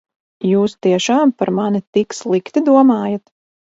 Jūs tiešām par mani tik slikti domājat?